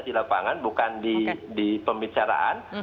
di lapangan bukan di pembicaraan